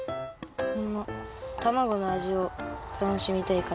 たまごのあじをたのしみたいから。